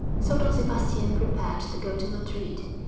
So Don Sebastian prepared to go to Madrid.